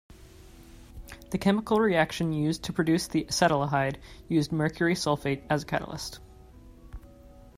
The chemical reaction used to produce the acetaldehyde used mercury sulfate as a catalyst.